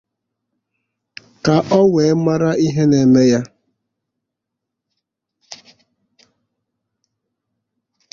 ka o wee mara ihe na-eme ya